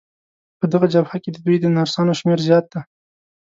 په دغه جبهه کې د دوی د نرسانو شمېر زیات دی.